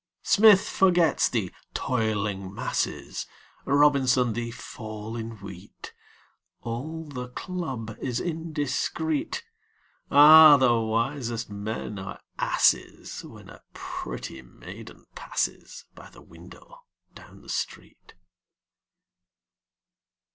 Smith forgets the "toiling masses," Robinson, the fall in wheat; All the club is indiscret. Ah, the wisest men are asses When a pretty maiden passes By the window down the street!